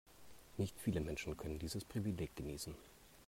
Nicht viele Menschen können dieses Privileg genießen.